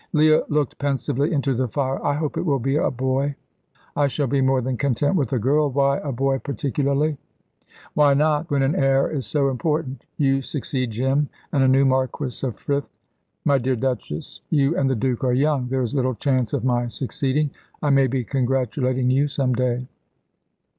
Leah looked pensively into the fire. "I hope it will be a boy." "I shall be more than content with a girl. Why a boy particularly?" "Why not, when an heir is so important? You succeed Jim, and a new Marquis of Frith " "My dear Duchess, you and the Duke are young. There is little chance of my succeeding. I may be congratulating you some day."